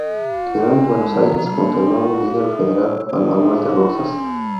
Quedó en Buenos Aires, junto al nuevo líder federal, Juan Manuel de Rosas.